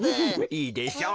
いいでしょう。